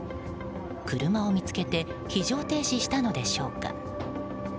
車を見つけて非常停止したのでしょうか。